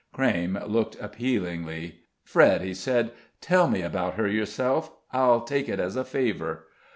Crayme looked appealingly. "Fred," said he, "tell me about her yourself; I'll take it as a favor."